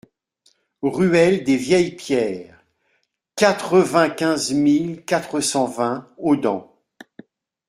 Ruelle des Vieilles Pierres, quatre-vingt-quinze mille quatre cent vingt Hodent